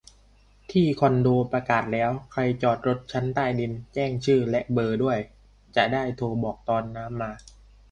ที่คอนโดออกประกาศแล้ว ใครจอดรถชั้นใต้ดิน แจ้งชื่อและเบอร์ด้วย จะได้โทรบอกตอนน้ำมา